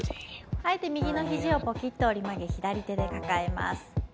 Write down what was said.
はいで右の肘をぽきっと折り曲げ左手で抱えます。